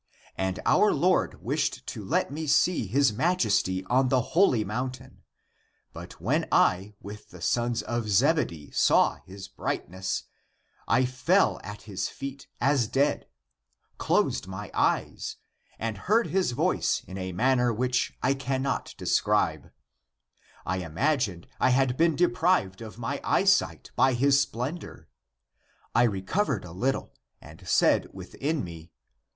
And our Lord wished to let me see his majesty on the holy mountain ;^^ but when I with the sons of Zebedee saw his brightness, I fell at his feet as dead, closed my eyes and heard his voice in a manner which I cannot describe ; I imagined I had been deprived of my eyesight by his splendor. I recovered a little and said within me.